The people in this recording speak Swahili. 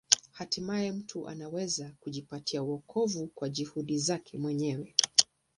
Hatimaye mtu anaweza kujipatia wokovu kwa juhudi zake mwenyewe.